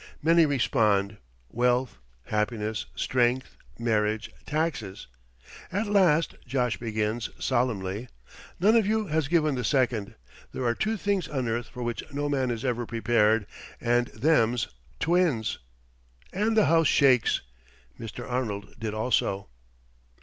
Many respond wealth, happiness, strength, marriage, taxes. At last Josh begins, solemnly: 'None of you has given the second. There are two things on earth for which no man is ever prepared, and them's twins,' and the house shakes." Mr. Arnold did also.